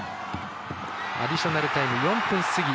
アディショナルタイム４分過ぎ。